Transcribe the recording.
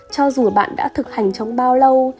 cho dù bạn đã thực hành trong bao lâu